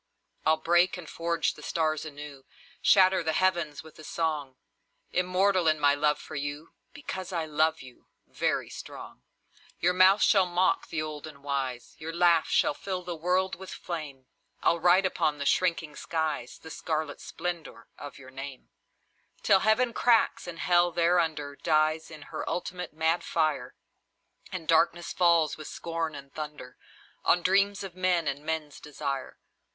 I'll break and forge the stars anew, Shatter the heavens with a song; Immortal in my love for you, Because I love you, very strong. Your mouth shall mock the old and wise, Your laugh shall fill the world with flame, I'll write upon the shrinking skies The scarlet splendour of your name, Till Heaven cracks, and Hell thereunder Dies in her ultimate mad fire, And darkness falls, with scornful thunder, On dreams of men and men's desire.